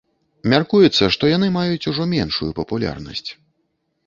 Мяркуецца, што яны маюць ужо меншую папулярнасць.